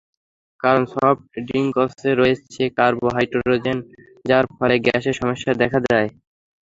কারণ, সফট ড্রিংকসে রয়েছে কার্বোহাইড্রেট, যার ফলে গ্যাসের সমস্যা দেখা দেয়।